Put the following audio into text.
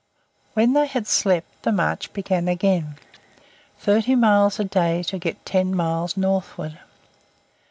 When they had slept, the march began again thirty miles a day to get ten miles northward.